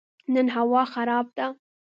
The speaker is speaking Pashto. نن هوا خراب ده